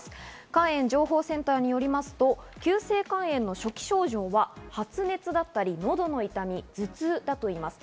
肝炎情報センターよりますと、急性肝炎の初期症状は、発熱だったり喉の痛み、頭痛だといいます。